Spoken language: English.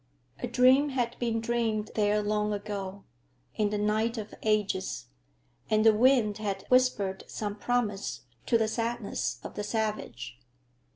A dream had been dreamed there long ago, in the night of ages, and the wind had whispered some promise to the sadness of the savage.